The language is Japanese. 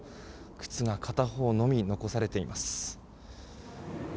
靴が片方のみ残されています。